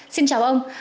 xin chào ông